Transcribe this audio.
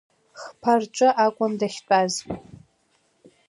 Хԥа рҿы акәын дахьтәаз.